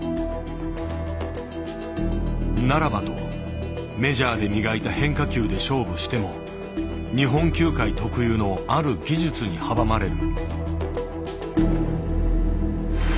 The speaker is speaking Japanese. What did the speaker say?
ならばとメジャーで磨いた変化球で勝負しても日本球界特有のある技術に阻まれる。